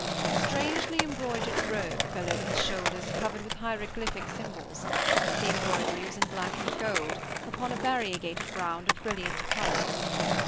A strangely embroidered robe fell over his shoulders, covered with hieroglyphic symbols; the embroidery was in black and gold, upon a variegated ground of brilliant colors.